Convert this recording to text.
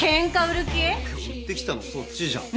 売ってきたのそっちじゃん。